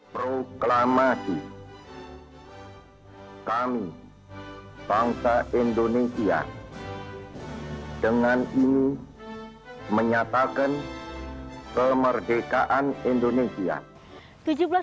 proklamasi kami bangsa indonesia dengan ini menyatakan kemerdekaan indonesia